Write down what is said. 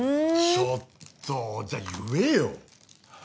ちょっとじゃあ言えよ！